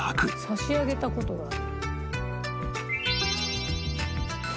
差し上げた事がある。